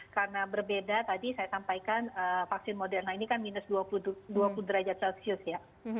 karena berbeda tadi saya sampaikan vaksin moderna ini kan minus dua puluh derajat celcius ya